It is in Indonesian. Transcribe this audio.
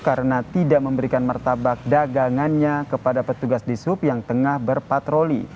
karena tidak memberikan martabak dagangannya kepada petugas di sub yang tengah berpatroli